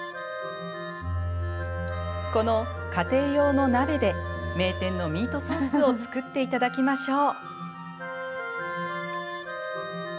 この家庭用の鍋で名店のミートソースを作っていただきましょう。